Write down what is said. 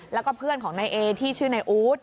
แล้วก็เพื่อนของนายเอที่ชื่อนายอู๊ด